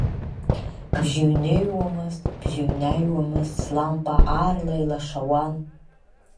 Бжьы ҩныҩуамызт, бжьы ҩнаҩуамызт, слампа аарла илашауан.